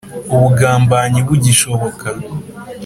ubugambanyi bugishoboka.